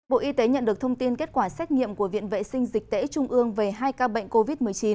bộ y tế nhận được thông tin kết quả xét nghiệm của viện vệ sinh dịch tễ trung ương về hai ca bệnh covid một mươi chín